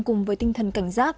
cùng với tinh thần cảnh giác